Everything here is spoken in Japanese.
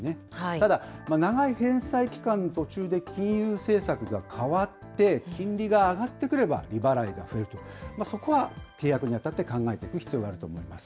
ただ、長い返済期間の途中で金融政策が変わって、金利が上がってくれば、利払いが増えて、そこは契約にあたって考えていく必要があると思います。